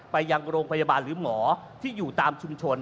ไปยังโรงพยาบาลหรือหมอที่อยู่ตามชุมชน